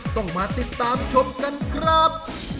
ต้องมาติดตามชมกันครับ